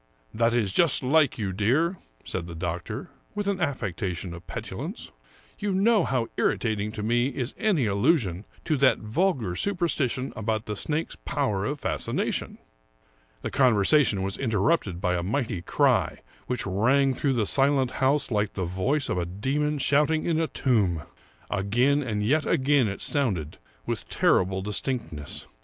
That is just like you, dear," said the doctor, with an affectation of petulance. " You know how irritating to me is any allusion to that vulgar superstition about the snake's power of fascination." The conversation was interrupted by a mighty cry which rang through the silent house like the voice of a demon shouting in a tomb. Again and yet again it sounded, with terrible distinctness.